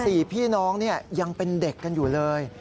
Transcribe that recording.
ในบ้าน๔พี่น้องยังเป็นเด็กกันอยู่เลย